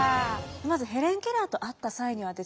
まずヘレン・ケラーと会った際にはですね